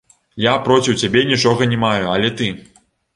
Я проціў цябе нічога не маю, але ты!